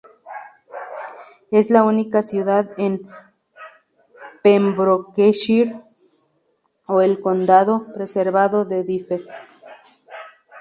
Es la única ciudad en Pembrokeshire o el condado preservado de Dyfed.